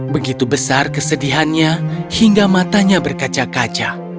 begitu besar kesedihannya hingga matanya berkaca kaca